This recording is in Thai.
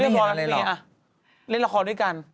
จริงเขาเป็นคนเรียบร้อยเล่นละครด้วยกัน